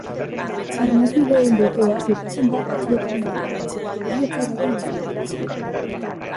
Arnasbideen blokeoa suertatzen da batzuetan baita ere, heriotza eragin dezakeena.